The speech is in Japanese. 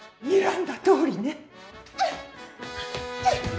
にらんだとおりね。